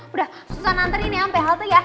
udah susah nantrin ya sampe halte ya